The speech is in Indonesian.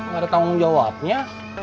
gak ada tanggung jawabnya